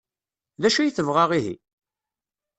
D acu ay tebɣa ihi?